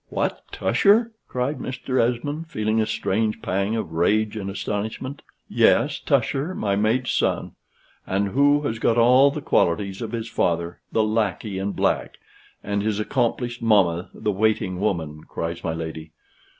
"What, Tusher!" cried Mr. Esmond, feeling a strange pang of rage and astonishment. "Yes Tusher, my maid's son; and who has got all the qualities of his father the lackey in black, and his accomplished mamma the waiting woman," cries my lady.